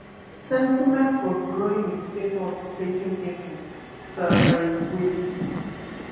Sentiment was growing in favour of replacing him with Sir Eric Willis.